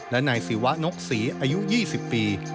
และนายศิวะนกศรีอายุ๒๐ปี